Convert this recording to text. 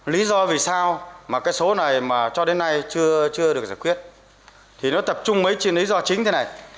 lý do vì sao mà cái số này mà cho đến nay chưa được giải quyết thì nó tập trung mấy trên lý do chính thế này